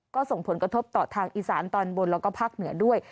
ก็ส่งผลกระทบต่อทางอีสานตอนบนแล้วก็ภาคเหนือด้วย